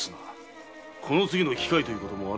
次の機会ということもあろう。